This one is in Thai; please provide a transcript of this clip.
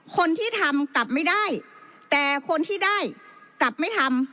คนที่ทำกลับไม่ได้แต่คนที่ได้กลับไม่ทำ